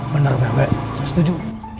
benar pak rw setuju